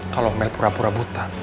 kalau mel pura pura buta